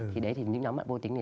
thì đấy thì những nhóm bạn vô tính